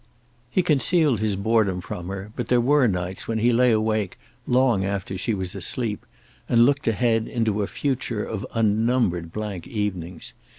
He concealed his boredom from her, but there were nights when he lay awake long after she was asleep and looked ahead into a future of unnumbered blank evenings.